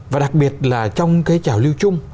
và đặc biệt là trong cái chảo lưu chung